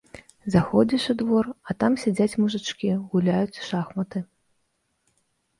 Заходзіш у двор, а там сядзяць мужычкі, гуляюць у шахматы.